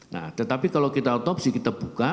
nah tetapi kalau kita otopsi kita buka